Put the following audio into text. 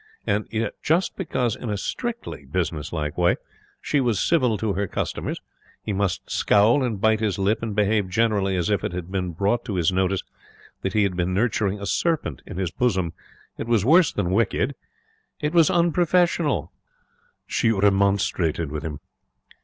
And yet just because, in a strictly business like way, she was civil to her customers, he must scowl and bite his lip and behave generally as if it had been brought to his notice that he had been nurturing a serpent in his bosom. It was worse than wicked it was unprofessional. She remonstrated with him.